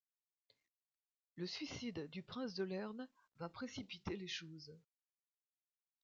Le suicide du prince de Lerne va précipiter les choses.